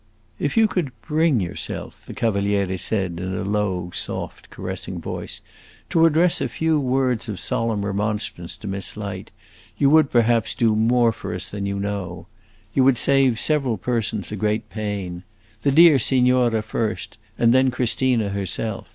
"If you could bring yourself," the Cavaliere said, in a low, soft, caressing voice, "to address a few words of solemn remonstrance to Miss Light, you would, perhaps, do more for us than you know. You would save several persons a great pain. The dear signora, first, and then Christina herself.